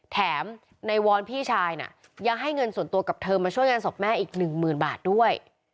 แถมในวอนพี่ชายน่ะยังให้เงินส่วนตัวกับเธอมาช่วยงานศพแม่อีกหนึ่งหมื่นบาทด้วย